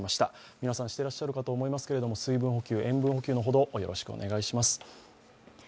皆さん、していらっしゃるかと思いますけれども、水分補給、塩分補給のほど、よろしくお願いします。